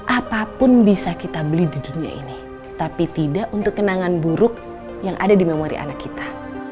apapun bisa kita beli di dunia ini tapi tidak untuk kenangan buruk yang ada di memori anak kita